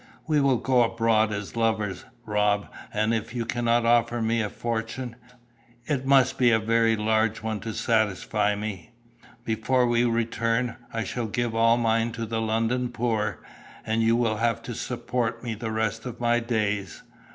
We will go abroad as lovers, Rob, and if you cannot offer me a fortune it must be a very large one to satisfy me before we return, I shall give all mine to the London poor, and you will have to support me the rest of my days.